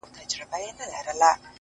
بيا چي يخ سمال پټيو څخه راسي ـ